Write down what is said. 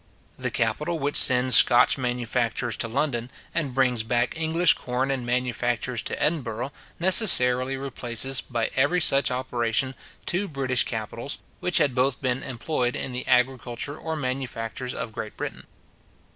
The capital which sends Scotch manufactures to London, and brings back English corn and manufactures to Edinburgh, necessarily replaces, by every such operation, two British capitals, which had both been employed in the agriculture or manufactures of Great Britain.